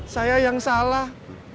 saya yang salah